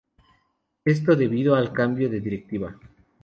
Esto, debido al cambio de directiva.